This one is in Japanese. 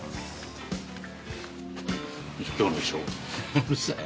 うるさい！